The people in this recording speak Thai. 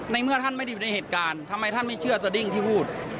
เมื่อท่านไม่ได้อยู่ในเหตุการณ์ทำไมท่านไม่เชื่อสดิ้งที่พูด